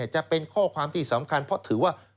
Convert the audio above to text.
จะเป็นข้อความที่สำคัญเพราะถือว่า